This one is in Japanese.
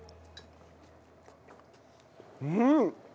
うん！